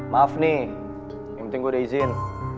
maaf nih yang penting gue udah izin